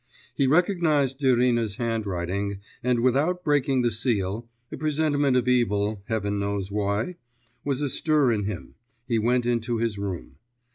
He recognised Irina's handwriting, and without breaking the seal a presentiment of evil, Heaven knows why, was astir in him he went into his room.